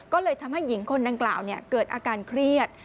ก็เลยทำให้หญิงคนดังกล่าวเกิดอาการเครียด